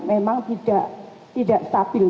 memang tidak stabil